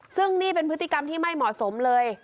ซึ่งนี่เป็นพฤติกรรมที่ไม่เหมาะสมเลย